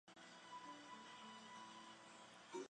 伊犁驼蹄瓣为蒺藜科驼蹄瓣属的植物。